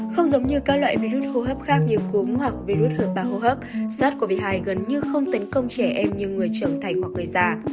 không giống như các loại virus hô hấp khác như cốm hoặc virus hợp ba hô hấp sars cov hai gần như không tấn công trẻ em như người trưởng thành hoặc người già